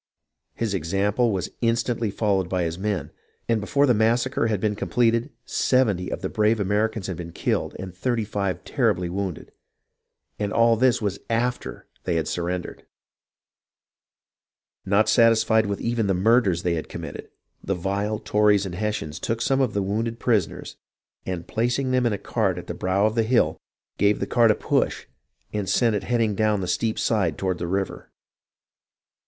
His example was instantly followed by his men, and before the massacre had been completed, 70 of the brave Ameri cans had been killed and 35 terribly wounded. And all this was after they had surrendered ! Not satisfied even with the murders they had committed, the vile Tories and Hessians took some of the wounded prisoners and, placing them in a cart at the brow of the hill, gave the cart a push and sent it headlong down the steep side toward the river